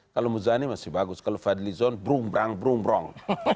kalau muzani masih bagus kalau fadlizon brung brang brung brong